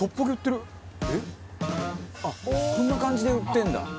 あっこんな感じで売ってんだ。